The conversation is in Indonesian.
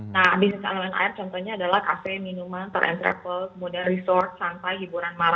nah bisnis elemen air contohnya adalah kafe minuman per entrepel kemudian resort santai hiburan maram